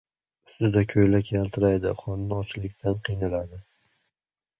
• Ustida ko‘ylak yaltiraydi, qorni ochlikdan qiynaladi.